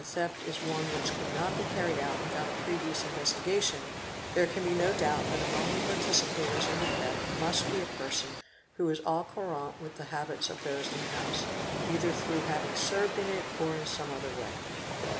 theft is one which could not be carried out without a previous investi gation, there can be no doubt that among the participators in the theft must be a person who is aw courant with the habits of those in the house either through having served in it or in some other way.